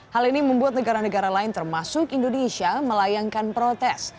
hal ini membuat negara negara lain termasuk indonesia melayangkan protes